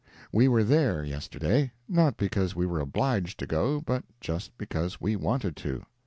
—We were there, yesterday, not because we were obliged to go, but just because we wanted to.